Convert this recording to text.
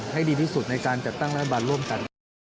ให้ดีที่สุดในการจัดตั้งรัฐบาลร่วมกัน